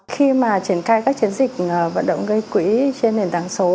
khi mà triển khai các chiến dịch vận động gây quỹ trên nền tảng số